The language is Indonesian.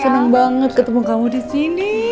seneng banget ketemu kamu disini